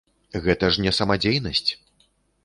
Гэта ж не самадзейнасць!